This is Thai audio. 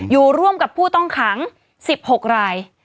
อยู่ร่วมกับผู้ต้องขัง๑๖ราย